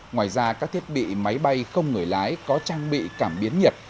ngoài ra các thiết bị máy bay không người lái có trang bị cảm biến nhiệt